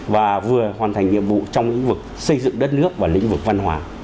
và vừa hoàn thành nhiệm vụ trong lĩnh vực xây dựng đất nước và lĩnh vực văn hóa